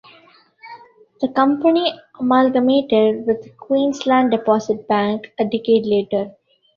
The company amalgamated with Queensland Deposit Bank a decade later.